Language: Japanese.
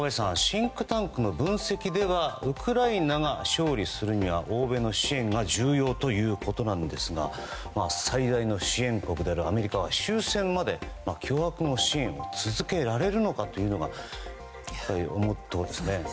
シンクタンクの分析ではウクライナが勝利するには欧米の支援が重要ということなんですが最大の支援国であるアメリカは終戦まで巨額の支援を続けられるのかですね。